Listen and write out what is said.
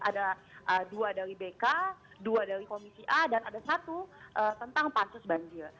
ada dua dari bk dua dari komisi a dan ada satu tentang pansus banjir